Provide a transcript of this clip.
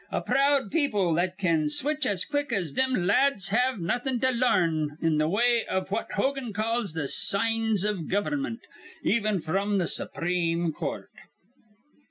A proud people that can switch as quick as thim la ads have nawthin' to larn in th' way iv what Hogan calls th' signs iv gover'mint, even fr'm th' Supreme Court."